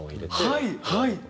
はいはい！